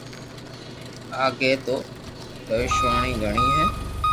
اگي تو پآݾونئي گھڙي ھي